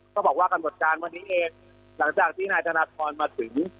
ก็บอกว่ากำหนดการวันนี้เองหลังจากที่นายธนทรมาถึง